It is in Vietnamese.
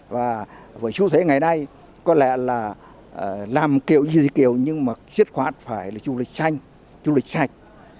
và với xu thế ngày nay có lẽ là làm kiểu gì gì kiểu nhưng mà diết khoát phải là du lịch sanh du lịch sạch